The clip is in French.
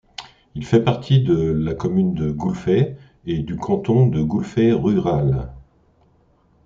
Il fait partie de la commune de Goulfey et du canton de Goulfey rural.